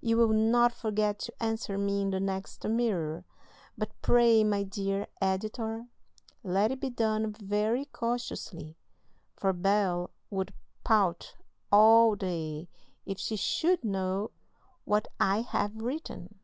You will not forget to answer me in the next Mirror; but pray, my dear Editor, let it be done very cautiously, for Bel would pout all day if she should know what I have written.